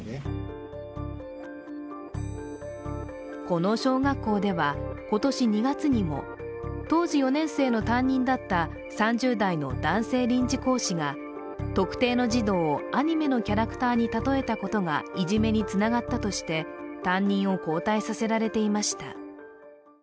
この小学校では今年２月にも、当時４年生の担任だった３０代の男性臨時講師が特定の児童をアニメのキャラクターに例えたことがいじめにつながったとして担任を交代させられていました。